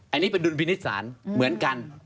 อันนี้เป็นดุลพินิษฐ์ศาลเหมือนกัน